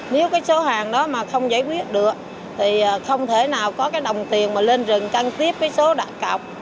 nếu cái số hàng đó mà không giải quyết được thì không thể nào có cái đồng tiền mà lên rừng căng tiếp với số đặt cọc